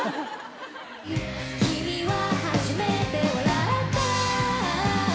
君は初めて笑った